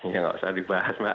ya nggak usah dibahas mbak